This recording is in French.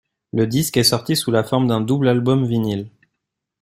Le disque est sorti sous la forme d'un double-album vinyl.